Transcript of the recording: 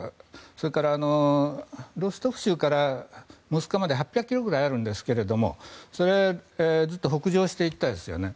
そして、ロストフ州からモスクワまで８００ｋｍくらいあるんですけどもずっと北上していきましたよね。